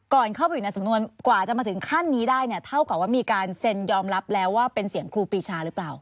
เข้าไปอยู่ในสำนวนกว่าจะมาถึงขั้นนี้ได้เนี่ยเท่ากับว่ามีการเซ็นยอมรับแล้วว่าเป็นเสียงครูปีชาหรือเปล่า